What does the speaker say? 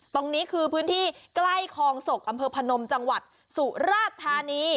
ตรงนี้คือพื้นที่ใกล้คลองศกอำเภอพนมจังหวัดสุราชธานี